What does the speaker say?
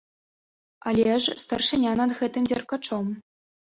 Але ж, старшыня над гэтым дзеркачом.